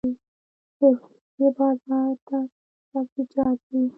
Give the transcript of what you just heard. د روسیې بازار ته سبزیجات ځي